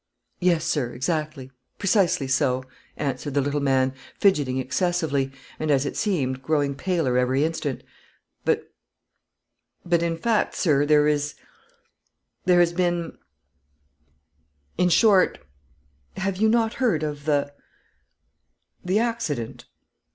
"Yes, sir, exactly precisely so," answered the little man, fidgeting excessively, and as it seemed, growing paler every instant; "but but, in fact, sir, there is, there has been in short, have you not heard of the the accident?"